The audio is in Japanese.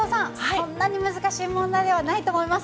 そんなに難しい問題ではないと思います。